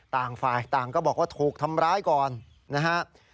ต่างฝ่ายต่างก็บอกว่าถูกทำร้ายก่อนนะครับ